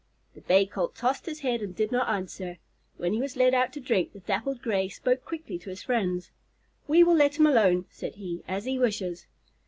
The Bay Colt tossed his head and did not answer. When he was led out to drink, the Dappled Gray spoke quickly to his friends. "We will let him alone," said he, "as he wishes.